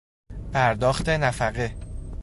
پرداخت نفقه